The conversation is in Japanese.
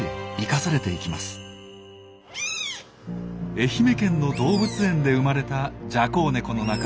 愛媛県の動物園で生まれたジャコウネコの仲間